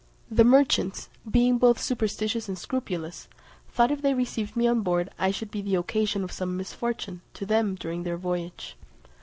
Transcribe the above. The merchants, being both superstitious and scrupulous, thought if they received me on board I should be the occasion of some misfortune to them during their voyage.